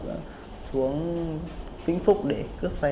cháu và duy xuống vĩnh phúc để cướp xe